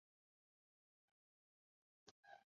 林肯镇区为美国堪萨斯州马歇尔县辖下的镇区。